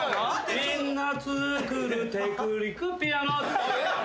「みんなつくるテクニックピアノ」